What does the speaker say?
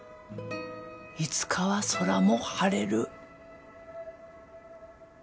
いつかは空も晴れる。